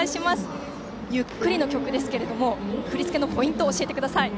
ゆっくりの曲ですが振り付けのポイントを教えてください。